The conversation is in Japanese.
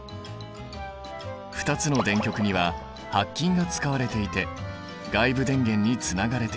２つの電極には白金が使われていて外部電源につながれている。